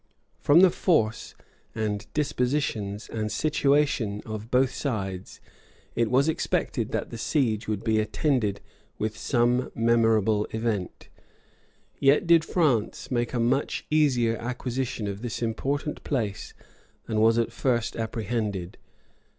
From the force, and dispositions, and situation of both sides it was expected that the siege would be attended with some memorable event; yet did France make a much easier acquisition of this important place than was at first apprehended.